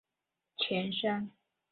今江西省高安市前身。